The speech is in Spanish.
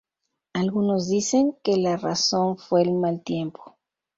Algunos dicen que la razón fue el mal tiempo.